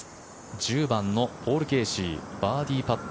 １０番のポール・ケーシーバーディーパット。